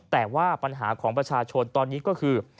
แต่ว่าปัญหาของประชาชนตอนนี้ก็คือ